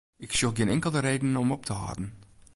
Ik sjoch gjin inkelde reden om op te hâlden.